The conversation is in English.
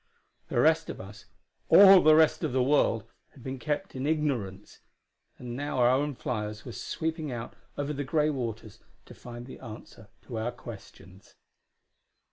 The rest of us all the rest of the world! had been kept in ignorance.... And now our own fliers were sweeping out over the gray waters to find the answer to our questions.